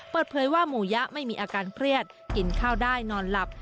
เปิดเผยว่าหมู่ยะไม่มีอาการเครียดกินข้าวได้นอนหลับ